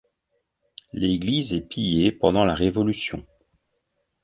L'église est pillée pendant la Révolution.